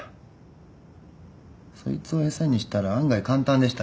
そいつを餌にしたら案外簡単でしたよ。